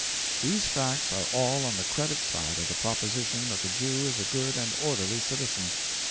These facts are all on the credit side of the proposition that the Jew is a good and orderly citizen.